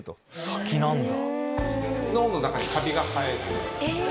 先なんだ。